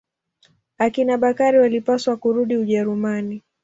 Akina Bakari walipaswa kurudi Ujerumani.